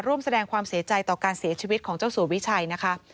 ร่วมแสดงความเสียใจต่อการเสียชีวิตของเจ้าสัววิชัยนะคะ